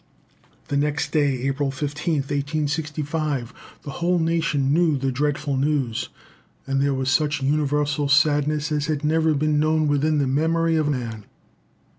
The next day, April 15th, 1865, the whole nation knew the dreadful news, and there was such universal sadness as had never been known within the memory of man.